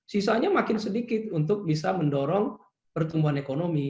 sisanya makin sedikit untuk bisa mendorong pertumbuhan ekonomi